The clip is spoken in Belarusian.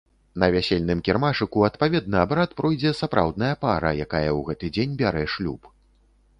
На вясельным кірмашыку адпаведны абрад пройдзе сапраўдная пара, якая ў гэты дзень бярэ шлюб.